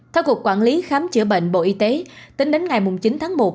theo cục quản lý khám chữa bệnh bộ y tế tính đến ngày chín tháng một